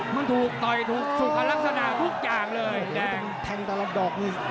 มันถูกต่อยถูกสุขลักษณะทุกอย่างเลยแดงแทงตลอดดอกนี่